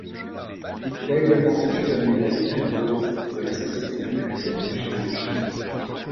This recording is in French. Il a également reçu la médaille Penrose de la Société américaine de géologie.